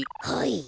はい。